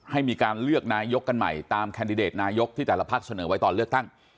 ให้มีการเลือกนายกกันใหม่ตามแคนดิเดตนายกที่แต่ละภาคเสนอไว้ตอนเลือกตั้ง